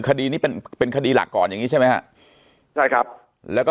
คดีนี้เป็นเป็นคดีหลักก่อนอย่างงี้ใช่ไหมฮะใช่ครับแล้วก็